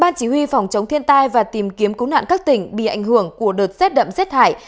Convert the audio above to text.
ban chỉ huy phòng chống thiên tai và tìm kiếm cứu nạn các tỉnh bị ảnh hưởng của đợt rét đậm rét hại